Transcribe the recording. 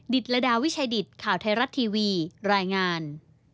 ตรดาวิชัยดิตข่าวไทยรัฐทีวีรายงาน